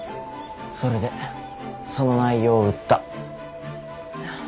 それでその内容を売った